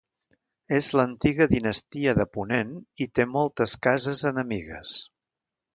És l'Antiga Dinastia de Ponent i té moltes cases enemigues.